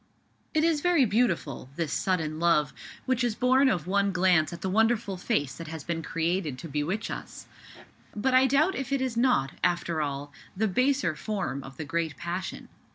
It is very beautiful, this sudden love, which is born of one glance at the wonderful face that has been created to bewitch us; but I doubt if it is not, after all, the baser form of the great passion.